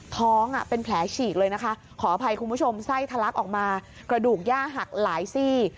ท้องเป็นแผลฉีกเลยนะคะขออภัยคุณผู้ชมไส้ทะลักออกมากระดูกย่าหักหลายซี่